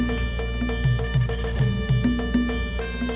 เธอไม่รู้ว่าเธอไม่รู้